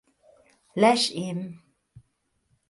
Les im.